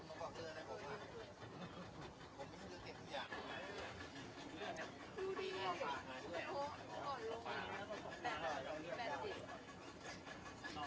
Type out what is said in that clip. สูงในค่ำจริงอยู่เลยปุ่มและสะพานมันจะยื้อเลยนะ